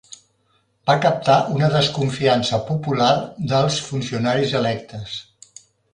Va captar una desconfiança popular dels funcionaris electes.